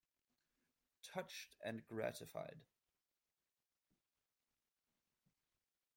Touched and gratified.